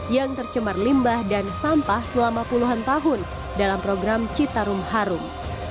yang tercemar limbah dan sampah selama puluhan tahun dalam program citarum harum